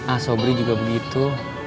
asobri juga begitu